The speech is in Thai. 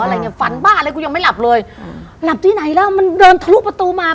อะไรเนี้ยฝันบ้าอะไรกูยังไม่หลับเลยอืมหลับที่ไหนแล้วมันเดินทะลุประตูมา